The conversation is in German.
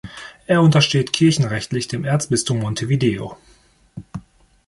Es untersteht kirchenrechtlich dem Erzbistum Montevideo.